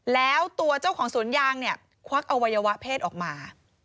แล้วตัวเจ้าของสวนยางเนี่ยควักอวัยวะเพศออกมา